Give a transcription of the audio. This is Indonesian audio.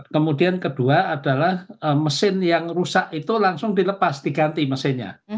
kemudian kedua adalah mesin yang rusak itu langsung dilepas diganti mesinnya